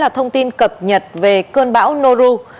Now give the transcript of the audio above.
thông tin cập nhật về cơn bão noru